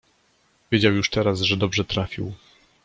Wiedział już teraz, że dobrze trafił.